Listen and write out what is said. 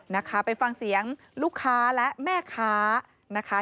นะคะไปฟังเสียงลูกค้าและแม่ค้านะคะ